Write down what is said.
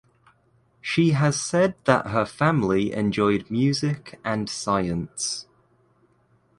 She has said that her family enjoyed music and science.